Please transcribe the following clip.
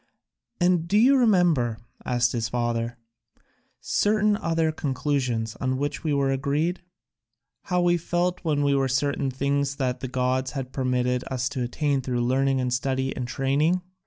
"And do you remember," asked his father, "certain other conclusions on which we were agreed? How we felt there were certain things that the gods had permitted us to attain through learning and study and training?